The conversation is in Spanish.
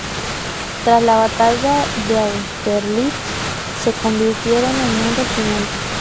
Tras la batalla de Austerlitz, se convirtieron en un regimiento.